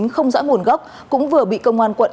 không rõ nguồn gốc cũng vừa bị công an quận